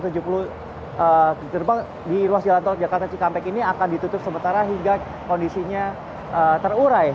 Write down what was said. hal ini juga terjadi karena jalan tol terurai di jalan tol jakarta cikampek ini akan ditutup sementara hingga kondisinya terurai